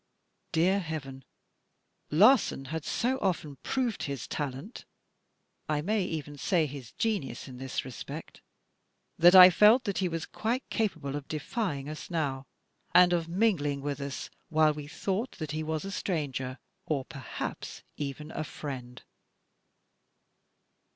Dear Heaven! Larsan had so often proved his talent — I may even say his genius — in this respect, that I felt that he was quite capable of defying us now, and of mingling with us while we thought that he was a stranger — or, perhaps, even a friend."